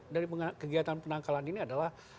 dari kegiatan penangkalan ini adalah